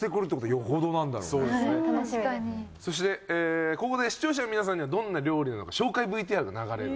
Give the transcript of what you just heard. そしてここで視聴者の皆さんにはどんな料理なのか紹介ＶＴＲが流れる。